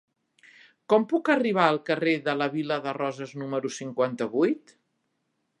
Com puc arribar al carrer de la Vila de Roses número cinquanta-vuit?